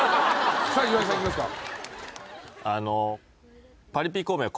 さあ岩井さんいきますか。